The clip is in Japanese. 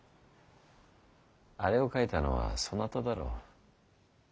あれを書いたのはそなただろう。